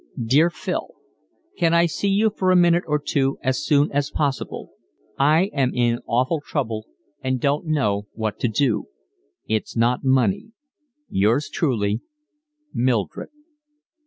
Dear Phil, Can I see you for a minute or two as soon as possible. I am in awful trouble and don't know what to do. It's not money. Yours truly, Mildred.